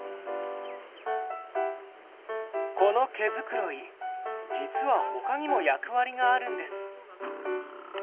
この毛繕い実はほかにも役割があるんです。